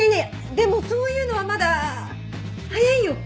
でもそういうのはまだ早いよ。